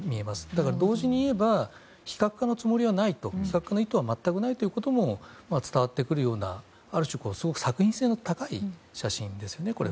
だから、同時にいえば非核化の意図は全くないということも伝わってくるようなある種、すごく作為性の高い写真ですよね。